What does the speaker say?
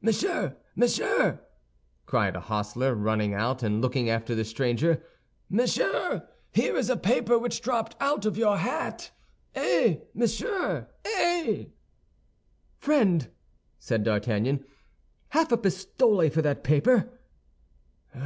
"Monsieur, monsieur!" cried a hostler, running out and looking after the stranger, "monsieur, here is a paper which dropped out of your hat! Eh, monsieur, eh!" "Friend," said D'Artagnan, "a half pistole for that paper!"